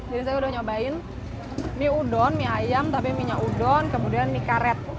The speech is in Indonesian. jadi saya udah nyobain mie udon mie ayam tapi mie nya udon kemudian mie karet